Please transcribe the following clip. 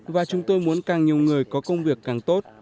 và chúng tôi muốn càng nhiều người có công việc càng tốt